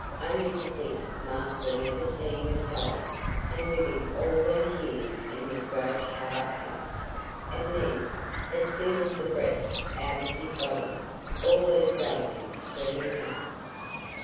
Only to think, master never seeing a soul, and living all these years in this great shut up house, and then, as soon as the breath's out of his body, all these relatives turning up."